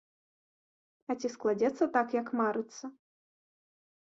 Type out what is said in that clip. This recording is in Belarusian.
А ці складзецца так, як марыцца?